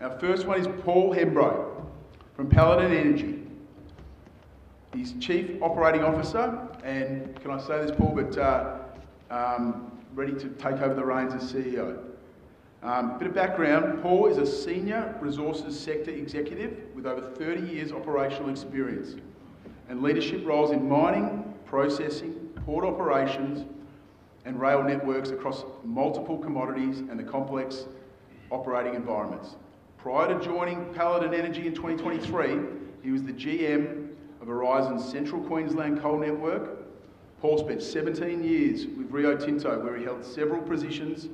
Our first one is Paul Hemburrow from Paladin Energy. He's Chief Operating Officer, and can I say this, Paul, but ready to take over the reins as CEO. A bit of background: Paul is a Senior Resources Sector Executive with over 30 years operational experience and leadership roles in mining, processing, port operations, and rail networks across multiple commodities and the complex operating environments. Prior to joining Paladin Energy in 2023, he was the GM of Aurizon's Central Queensland Coal Network. Paul spent 17 years with Rio Tinto, where he held several positions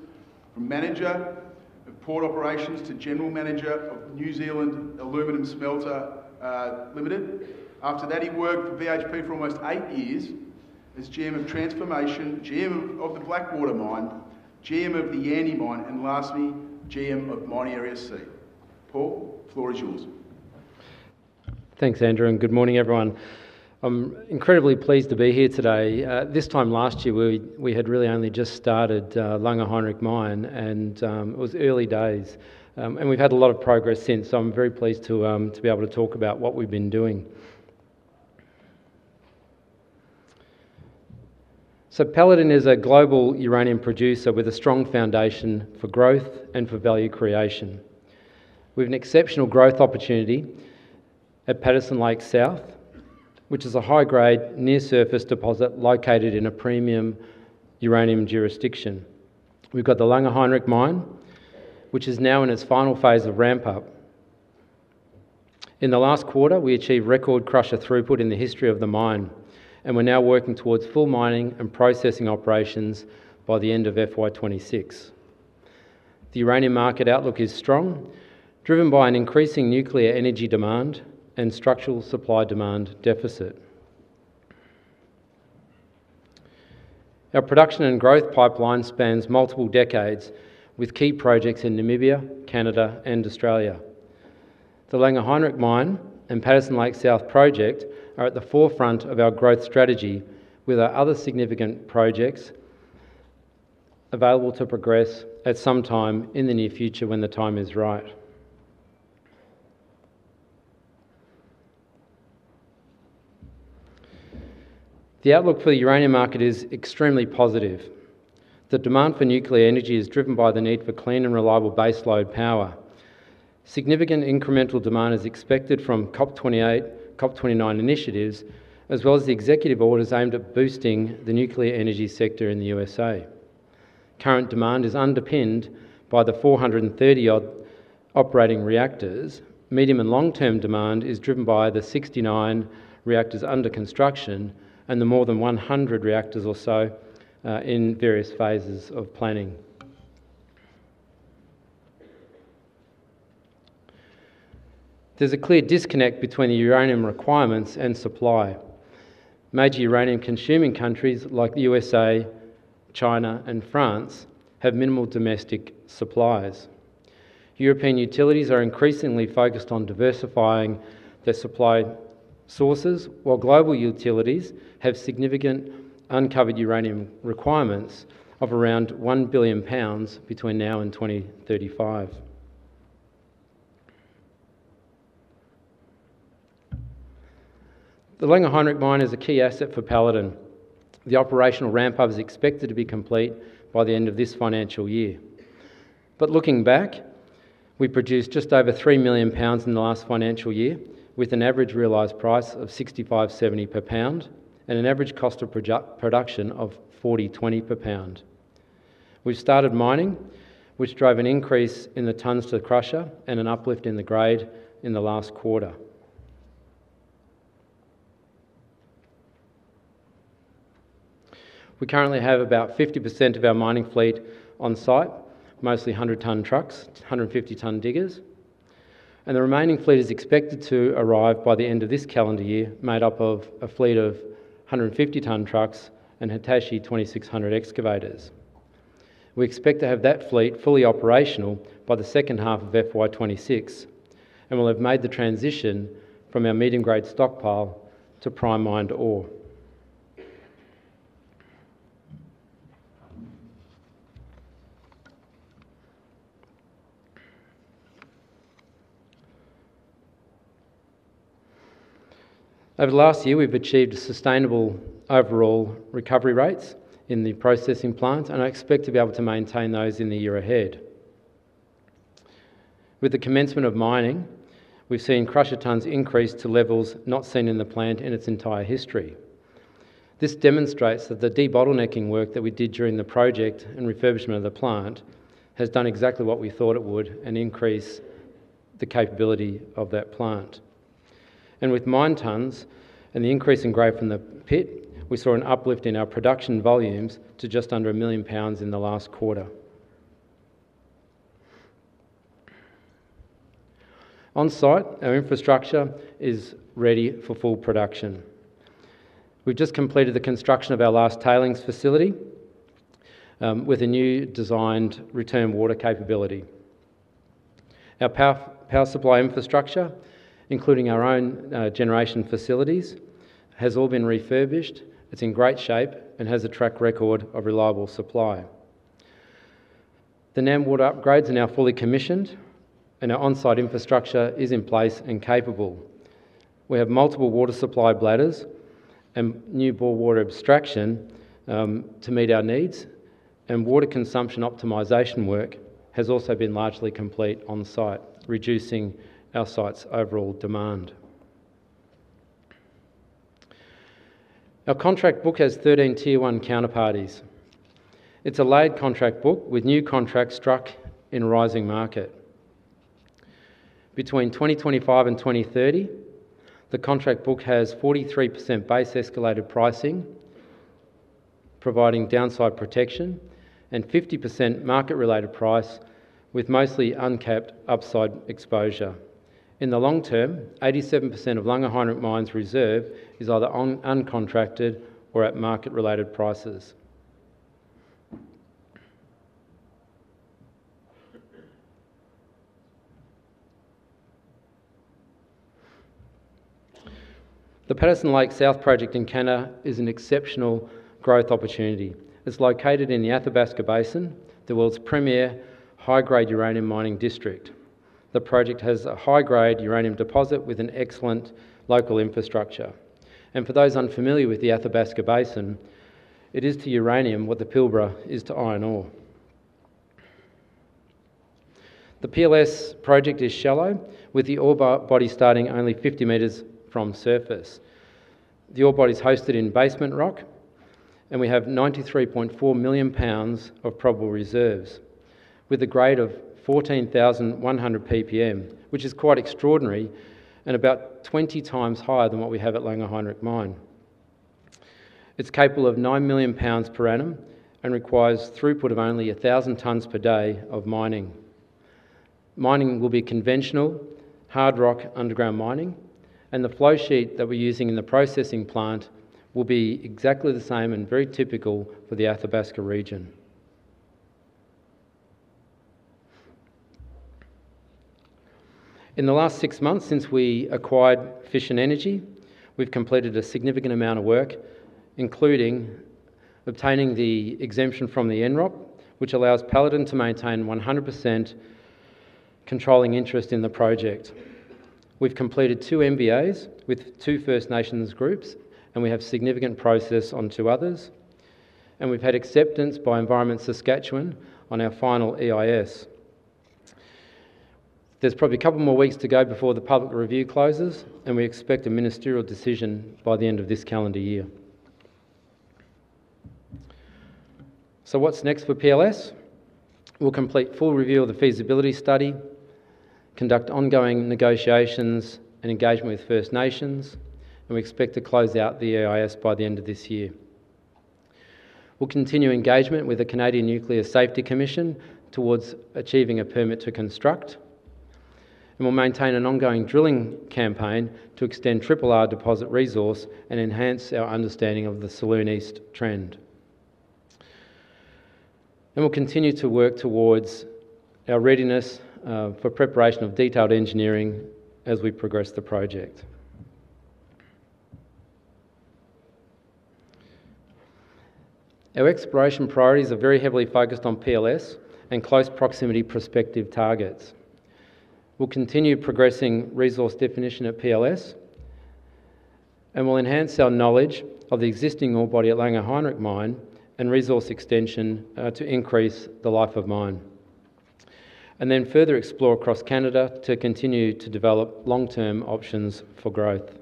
from Manager of Port Operations to General Manager of New Zealand Aluminum Smelter Ltd. After that, he worked for BHP for almost eight years as GM of Transformation, GM of the Blackwater Mine, GM of the Yandi Mine, and lastly, GM of Maari Recife. Paul, the floor is yours. Thanks, Andrew, and good morning, everyone. I'm incredibly pleased to be here today. This time last year, we had really only just started Langer Heinrich Mine, and it was early days, and we've had a lot of progress since. I'm very pleased to be able to talk about what we've been doing. Paladin is a global uranium producer with a strong foundation for growth and for value creation. We have an exceptional growth opportunity at Patterson Lake South, which is a high-grade, near-surface deposit located in a premium uranium jurisdiction. We've got the Langer Heinrich Mine, which is now in its final phase of ramp-up. In the last quarter, we achieved record crusher throughput in the history of the mine, and we're now working towards full mining and processing operations by the end of FY2026. The uranium market outlook is strong, driven by an increasing nuclear energy demand and structural supply-demand deficit. Our production and growth pipeline spans multiple decades, with key projects in Namibia, Canada, and Australia. The Langer Heinrich Mine and Patterson Lake South Project are at the forefront of our growth strategy, with our other significant projects available to progress at some time in the near future when the time is right. The outlook for the uranium market is extremely positive. The demand for nuclear energy is driven by the need for clean and reliable baseload power. Significant incremental demand is expected from COP28, COP29 initiatives, as well as the executive orders aimed at boosting the nuclear energy sector in the U.S.A. Current demand is underpinned by the 430-odd operating reactors. Medium and long-term demand is driven by the 69 reactors under construction and the more than 100 reactors or so in various phases of planning. There's a clear disconnect between the uranium requirements and supply. Major uranium-consuming countries like the U.S.A., China, and France have minimal domestic supplies. European utilities are increasingly focused on diversifying their supply sources, while global utilities have significant uncovered uranium requirements of around $1 billion between now and 2035. The Langer Heinrich Mine is a key asset for Paladin. The operational ramp-up is expected to be complete by the end of this financial year. Looking back, we produced just over 3 million pounds in the last financial year, with an average realized price of $65.70 per pound and an average cost of production of $40.20 per pound. We've started mining, which drove an increase in the tonnes to the crusher and an uplift in the grade in the last quarter. We currently have about 50% of our mining fleet on site, mostly 100-ton trucks, 150-ton diggers, and the remaining fleet is expected to arrive by the end of this calendar year, made up of a fleet of 150-ton trucks and Hitachi 2600 excavators. We expect to have that fleet fully operational by the second half of FY2026, and we'll have made the transition from our medium-grade stockpile to prime-mined ore. Over the last year, we've achieved sustainable overall recovery rates in the processing plants, and I expect to be able to maintain those in the year ahead. With the commencement of mining, we've seen crusher throughput increase to levels not seen in the plant in its entire history. This demonstrates that the debottlenecking work that we did during the project and refurbishment of the plant has done exactly what we thought it would and increased the capability of that plant. With mine tonnes and the increase in grade from the pit, we saw an uplift in our production volumes to just under $1 million in the last quarter. On site, our infrastructure is ready for full production. We've just completed the construction of our last tailings facility with a new designed return water capability. Our power supply infrastructure, including our own generation facilities, has all been refurbished. It's in great shape and has a track record of reliable supply. The NEM water upgrades are now fully commissioned, and our on-site infrastructure is in place and capable. We have multiple water supply bladders and new bore water abstraction to meet our needs, and water consumption optimization work has also been largely complete on site, reducing our site's overall demand. Our contract book has 13 tier-one counterparties. It's a laid contract book with new contracts struck in a rising market. Between 2025 and 2030, the contract book has 43% base escalated pricing, providing downside protection, and 50% market-related price with mostly uncapped upside exposure. In the long term, 87% of Langer Heinrich Mine's reserve is either uncontracted or at market-related prices. The Patterson Lake South Project in Canada is an exceptional growth opportunity. It's located in the Athabasca Basin, the world's premier high-grade uranium mining district. The project has a high-grade uranium deposit with an excellent local infrastructure. For those unfamiliar with the Athabasca Basin, it is to uranium what the Pilbara is to iron ore. The Patterson Lake South (PLS) Project is shallow, with the ore body starting only 50 meters from surface. The ore body is hosted in basement rock, and we have 93.4 million pounds of probable reserves with a grade of 14,100 ppm, which is quite extraordinary and about 20x higher than what we have at Langer Heinrich Mine. It's capable of 9 million pounds per annum and requires throughput of only 1,000 tonnes per day of mining. Mining will be conventional hard rock underground mining, and the flow sheet that we're using in the processing plant will be exactly the same and very typical for the Athabasca region. In the last six months since we acquired Fission Uranium Corp., we've completed a significant amount of work, including obtaining the exemption from the NROP, which allows Paladin Energy Ltd to maintain 100% controlling interest in the project. We've completed two MBAs with two First Nations groups, and we have significant progress on two others. We've had acceptance by Environment Saskatchewan on our final EIS. There are probably a couple more weeks to go before the public review closes, and we expect a ministerial decision by the end of this calendar year. What's next for PLS? We'll complete full review of the feasibility study, conduct ongoing negotiations and engagement with First Nations, and we expect to close out the EIS by the end of this year. We'll continue engagement with the Canadian Nuclear Safety Commission towards achieving a permit to construct, and we'll maintain an ongoing drilling campaign to extend Triple R deposit resource and enhance our understanding of the Saloon East trend. We'll continue to work towards our readiness for preparation of detailed engineering as we progress the project. Our exploration priorities are very heavily focused on PLS and close proximity prospective targets. We'll continue progressing resource definition at PLS, and we'll enhance our knowledge of the existing ore body at Langer Heinrich Mine and resource extension to increase the life of mine. We will further explore across Canada to continue to develop long-term options for growth.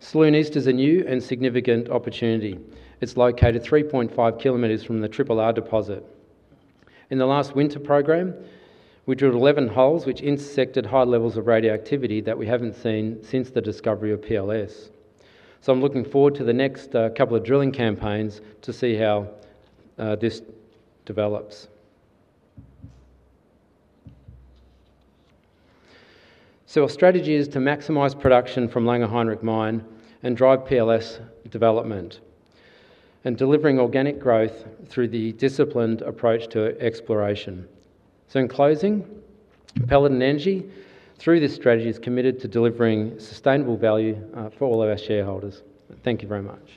Saloon East is a new and significant opportunity. It's located 3.5 kilometers from the Triple R deposit. In the last winter program, we drilled 11 holes which intersected high levels of radioactivity that we haven't seen since the discovery of PLS. I'm looking forward to the next couple of drilling campaigns to see how this develops. Our strategy is to maximize production from Langer Heinrich Mine and drive PLS development, delivering organic growth through the disciplined approach to exploration. In closing, Paladin Energy through this strategy is committed to delivering sustainable value for all of our shareholders. Thank you very much.